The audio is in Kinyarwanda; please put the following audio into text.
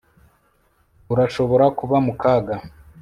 Urashobora kuba mu kaga